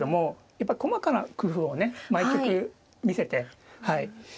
やっぱ細かな工夫をね毎局見せてはい。